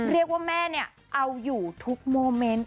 เรียกว่าแม่เนี่ยเอาอยู่ทุกโมเมนต์